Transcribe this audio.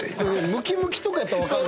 ムキムキとかやったらわかる。